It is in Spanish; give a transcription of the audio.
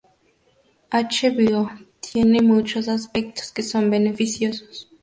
H-Bio tiene muchos aspectos que son beneficiosos.